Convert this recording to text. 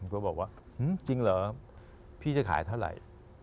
ก็บอกว่าจริงเหรอพี่จะขายเท่าไหร่